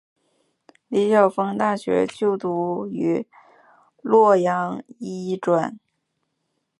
李晓峰大学就读于洛阳医专。